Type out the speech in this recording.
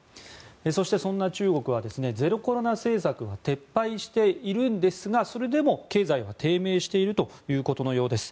そしてそんな中国はゼロコロナ政策を撤廃しているんですがそれでも経済は低迷しているということのようです。